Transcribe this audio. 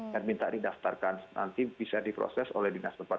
dan minta didaftarkan nanti bisa diproses oleh dinas tempat